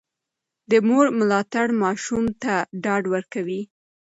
د مور ملاتړ ماشوم ته ډاډ ورکوي.